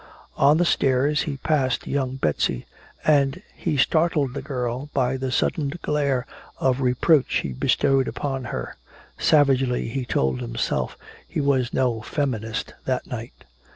On the stairs he passed young Betsy, and he startled the girl by the sudden glare of reproach he bestowed upon her. Savagely he told himself he was no "feminist" that night!